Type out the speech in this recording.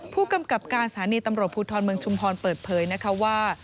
ผู้กำกับการสถานีตำรวจภูทรเมืองชุมพรเปิดเผยนะคะว่า